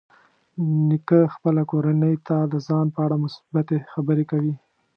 نیکه خپل کورنۍ ته د ځان په اړه مثبتې خبرې کوي.